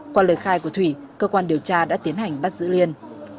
qua lời khai của thủy cơ quan điều tra đã tiến hành bắt giữ liên